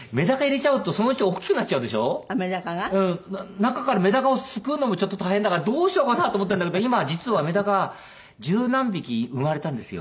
中からメダカをすくうのもちょっと大変だからどうしようかなと思ってるんだけど今実はメダカ十何匹生まれたんですよ。